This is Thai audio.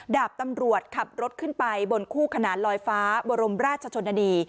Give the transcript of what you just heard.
ดาบตำรวจขับรถขึ้นไปบนคู่ขนานลอยฟ้าบรมราชชนนานี